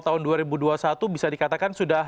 tahun dua ribu dua puluh satu bisa dikatakan sudah